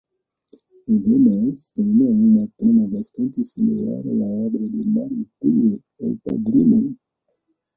Además, toma un trama bastante similar a la obra de Mario Puzo, "El Padrino".